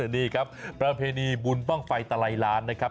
นี่ครับประเพณีบุญบ้างไฟตะไลล้านนะครับ